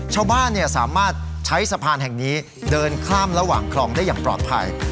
ชาวบ้านสามารถใช้สะพานแห่งนี้เดินข้ามระหว่างคลองได้อย่างปลอดภัย